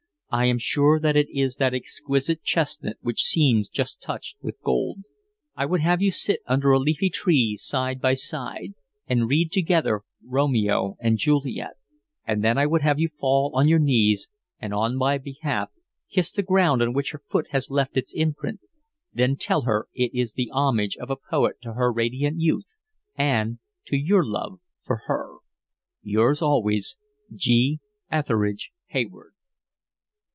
I am sure that it is that exquisite chestnut which seems just touched with gold. I would have you sit under a leafy tree side by side, and read together Romeo and Juliet; and then I would have you fall on your knees and on my behalf kiss the ground on which her foot has left its imprint; then tell her it is the homage of a poet to her radiant youth and to your love for her. Yours always, G. Etheridge Hayward.